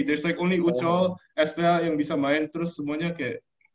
there s like only uchol sph yang bisa main terus semuanya kayak ya